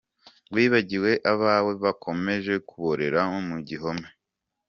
Wibagiwe abawe bakomeje kuborera mugihome ?